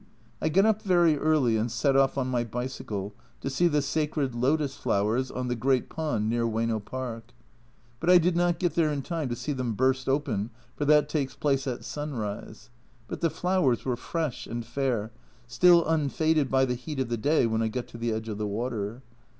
I got up very early and set off on my bicycle to see the sacred lotus flowers on the great pond near Oyeno Park, but I did not get there in time to see them burst open, for that takes place at sunrise, but the flowers were fresh and fair, still un faded by the heat of the day when I got to the edge of the water.